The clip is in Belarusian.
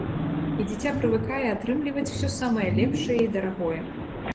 І дзіця прывыкае атрымліваць усё самае лепшае і дарагое.